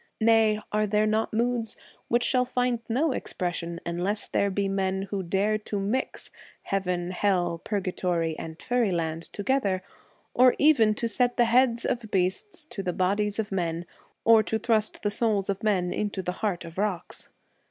Nay, are there not moods which shall find no ex pression unless there be men who dare to mix heaven, hell, purgatory, and faeryland together, or even to set the heads of beasts to the bodies of men, or to thrust the souls of men into the heart of rocks